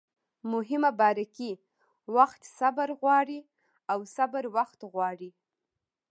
مهمه باریکي: وخت صبر غواړي او صبر وخت غواړي